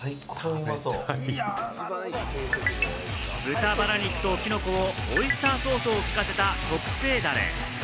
豚バラ肉ときのこをオイスターソースを効かせた特製ダレ。